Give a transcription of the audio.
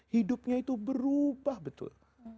hidupnya itu berubah betul